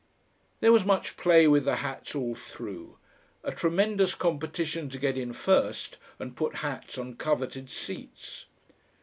There was much play with the hats all through; a tremendous competition to get in first and put hats on coveted seats.